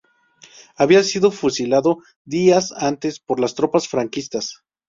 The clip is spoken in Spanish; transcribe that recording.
Había sido fusilado días antes por las tropas franquistas.